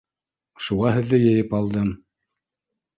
— Шуға һеҙҙе йыйып алдым.